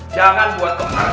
jangan buat kemarin